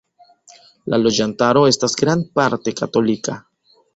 La loĝantaro esta grandparte katolika.